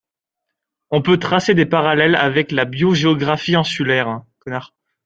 On peut tracer des parallèles avec la biogéographie insulaire.